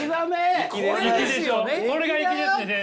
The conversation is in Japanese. これがいきですね？